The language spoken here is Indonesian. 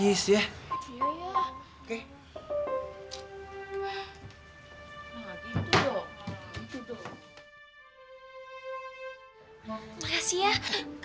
kehidupan yang lebih baik